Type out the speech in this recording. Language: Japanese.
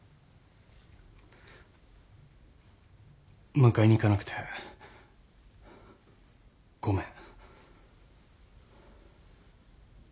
迎えに行かなくてごめん。